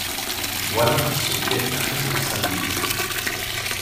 Voilà ce qu’est la responsabilité